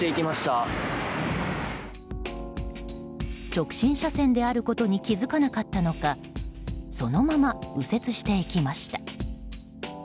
直進車線であることに気付かなかったのかそのまま右折していきました。